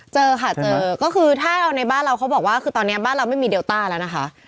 เจอค่ะเจอก็คือถ้าเราในบ้านเราเขาบอกว่าคือตอนนี้บ้านเราไม่มีเลต้าแล้วนะคะ